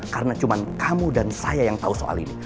karena cuma kamu dan saya yang tahu soal ini